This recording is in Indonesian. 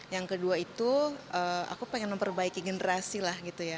yang kedua itu aku ingin memperbaiki generasi lah gitu ya